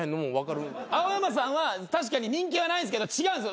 青山さんは確かに人気はないんですけど違うんです。